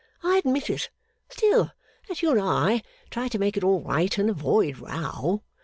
I admit it. Still, let you and I try to make it all right, and avoid Row.